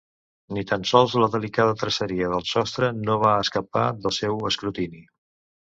Ni tan sols la delicada traceria del sostre no va escapar del seu escrutini.